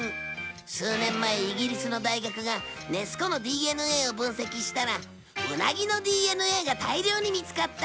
数年前イギリスの大学がネス湖のＤＮＡを分析したらウナギのＤＮＡが大量に見つかった。